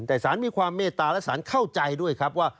แต่สารมีความเมตตาและสารเข้าใจด้วยครับว่า